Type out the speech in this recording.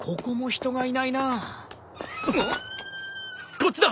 こっちだ！